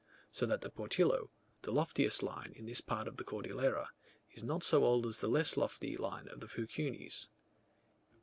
So that the Portillo, the loftiest line in this part of the Cordillera, is not so old as the less lofty line of the Peuquenes.